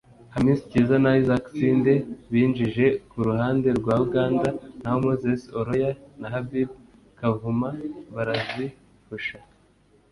Hamis Kiiza na Isaac Isinde binjije ku ruhande rwa Uganda na ho Moses Oloya na Habib Kavuma barazihusha